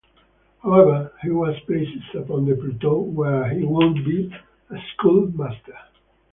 However, he was placed upon the plateau where he would be-a schoolmaster.